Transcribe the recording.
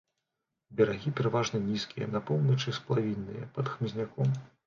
Берагі пераважна нізкія, на поўначы сплавінныя, пад хмызняком.